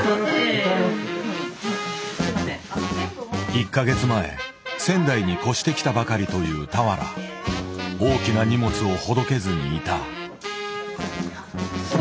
１か月前仙台に越してきたばかりという俵大きな荷物をほどけずにいた。